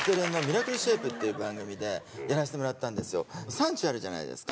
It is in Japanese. サンチュあるじゃないですか。